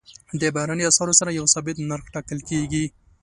د بهرنیو اسعارو سره یو ثابت نرخ ټاکل کېږي.